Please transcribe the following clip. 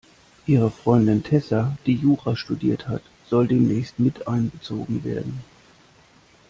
Ihre Freundin Tessa, die Jura studiert hat, soll demnächst miteinbezogen werden.